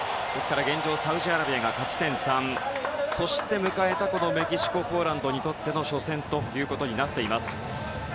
現状、サウジアラビアが勝ち点３そして迎えたメキシコ、ポーランドにとっての初戦となっています。